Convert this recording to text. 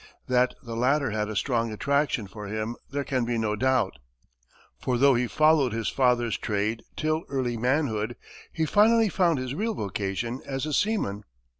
That the latter had a strong attraction for him there can be no doubt, for though he followed his father's trade till early manhood, he finally found his real vocation as a seaman.